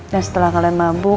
dan setelah kalian mabuk